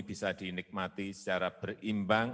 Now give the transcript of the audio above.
bisa dinikmati secara berimbang